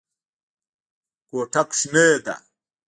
کوټه کوچنۍ ده.